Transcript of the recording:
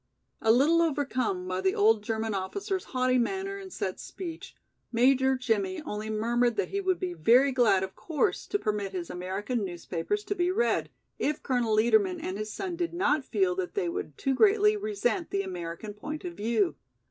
A little overcome by the old German officer's haughty manner and set speech, Major Jimmie only murmured that he would be very glad of course to permit his American newspapers to be read, if Colonel Liedermann and his son did not feel that they would too greatly resent the American point of view.